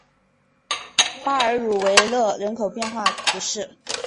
巴尔茹维勒人口变化图示